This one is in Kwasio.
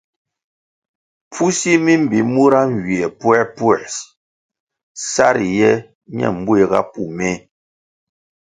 Pfusi mi mbi mura nywie puerpuer sa riye ñe mbuéhga pú méh.